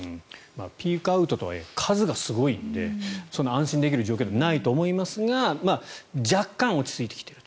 ピークアウトとはいえ数がすごいので安心できる状況ではないと思いますが若干、落ち着いてきていると。